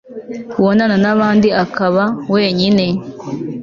kubonana n'abandi akaba wenyine